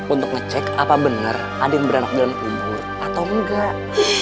untuk ngecek apa bener ada yang berenek di dalam kubur atau enggak